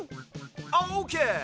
オーケー！